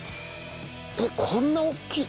えっこんなおっきい。